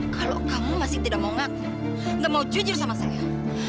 kalau kamu masih tidak mau gak mau jujur sama saya